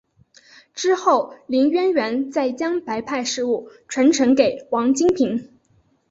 之后林渊源再将白派事务传承给王金平。